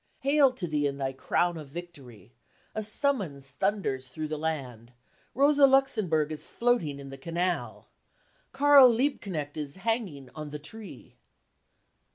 Hail to thee in thy crown of victory . A summons thunders through the land * Rosa Luxemburg is floating in the canal : Karl Liebknecht is hanging on the ... tree